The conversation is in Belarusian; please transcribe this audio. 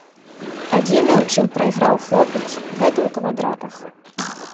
Адзінае, у чым прайграў хлопец, гэта ў квадратах.